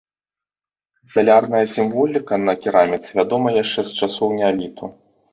Салярная сімволіка на кераміцы вядомыя яшчэ з часоў неаліту.